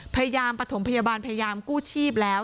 พยายามปฐมพยาบาลพยายามกู้ชีพแล้ว